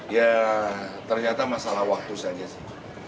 ya ternyata masalah waktu saja sih